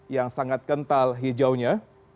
yang sangat kental hijaunya